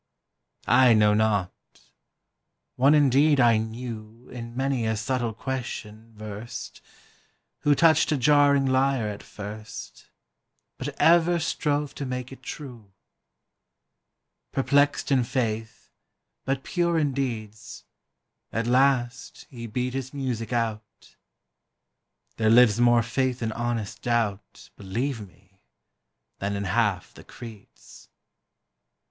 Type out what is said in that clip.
I know not: one indeed I knew In many a subtle question versed, Who touched a jarring lyre at first, But ever strove to make it true: Perplext in faith, but pure in deeds, At last he beat his music out. There lives more faith in honest doubt, Believe me, than in half the creeds.